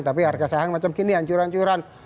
tapi harga sahang macam gini ancuran ancuran